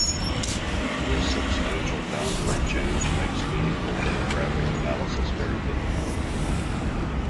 This substantial boundary change makes meaningful demographic analysis very difficult.